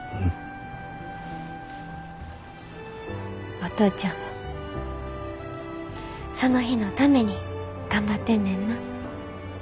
お父ちゃんもその日のために頑張ってんねんな。